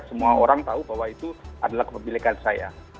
semua orang tahu bahwa itu adalah kepemilikan saya